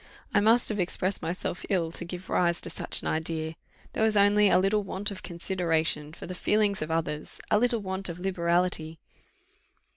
I must have expressed myself ill to give rise to such an idea. There was only a little want of consideration for the feelings of others a little want of liberality."